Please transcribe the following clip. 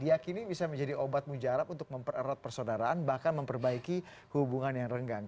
diakini bisa menjadi obat mujarab untuk mempererat persaudaraan bahkan memperbaiki hubungan yang renggang